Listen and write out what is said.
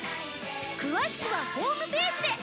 詳しくはホームページで！